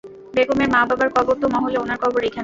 বেগমের মা, বাবার কবর, তো মহলে, উনার কবর এইখানে?